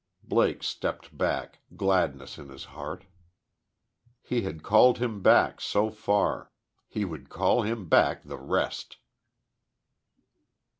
Blake stepped back, gladness in his heart. He had called him back so far. He would call him back the rest!